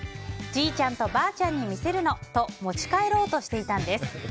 じいちゃんとばあちゃんに見せるの！と持ち帰ろうとしていたんです。